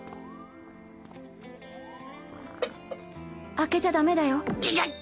開けちゃダメだよ。